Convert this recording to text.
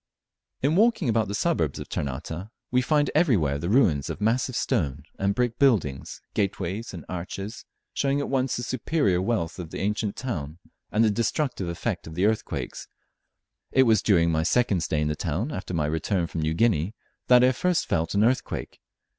In walking about the suburbs of Ternate, we find everywhere the ruins of massive stone and brick buildings, gateways and arches, showing at once the superior wealth of the ancient town and the destructive effects of earthquakes. It was during my second stay in the town, after my return from New Guinea, that I first felt an earthquake.